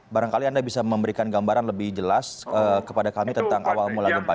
barangkali anda bisa memberikan gambaran lebih jelas kepada kami tentang awal mula gempa